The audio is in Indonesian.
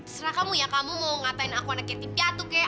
serah kamu ya kamu mau ngatain aku anak kirti piatu kayak